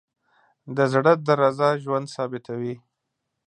د زړه درزا ژوند ثابتوي.